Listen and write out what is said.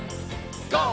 ＧＯ！